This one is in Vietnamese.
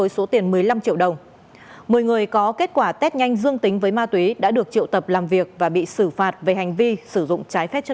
tụi em nằm được một tháng một tháng rưỡi còn tụi em nghỉ